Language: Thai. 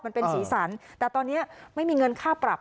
มันเป็นสีสันแต่ตอนนี้ไม่มีเงินค่าปรับ